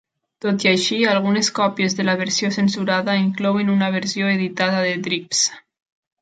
Tot i així, algunes còpies de la versió censurada inclouen una versió editada de "Drips".